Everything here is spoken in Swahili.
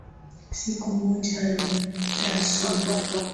Siku moja nitashinda.